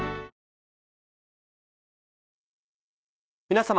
皆様。